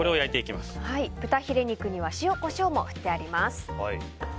豚ヒレ肉には塩、コショウも振ってあります。